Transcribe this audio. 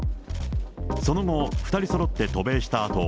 その後、２人そろって渡米したあと、